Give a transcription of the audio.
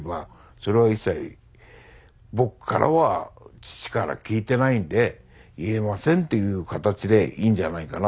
それは一切僕からは父から聞いてないんで言えませんっていう形でいいんじゃないかなとは思うんで。